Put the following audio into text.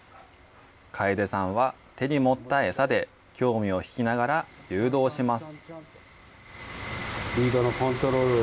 楓さんは手に持った餌で興味を引きながら誘導します。